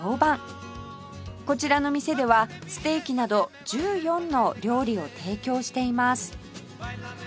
こちらの店ではステーキなど１４の料理を提供しています